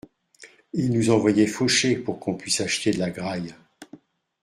Il nous envoyait faucher pour qu’on puisse acheter de la graille.